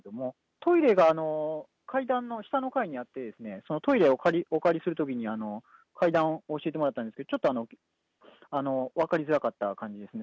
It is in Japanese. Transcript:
トイレが階段の下の階にあって、トイレをお借りするときに、階段を教えてもらったんですけど、ちょっと分かりづらかった感じですね。